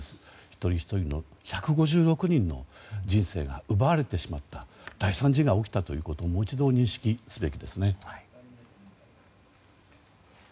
一人ひとりの、１５６人の人生が奪われてしまった大惨事が起きたということをもう一度、認識すべきですね。